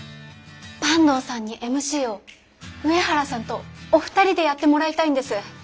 坂東さんにＭＣを上原さんとお二人でやってもらいたいんです。